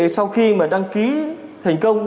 sau khi đăng ký thành công